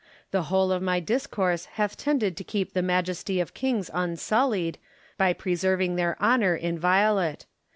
The whole of my discourse hath tended to keep the majesty of kings unsullied, by preserving their honour inviolate.